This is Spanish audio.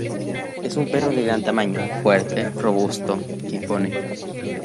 Es un perro de gran tamaño, fuerte, robusto, que impone.